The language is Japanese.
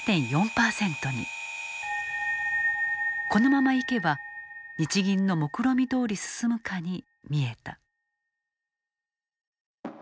このままいけば日銀のもくろみどおり進むかに見えた。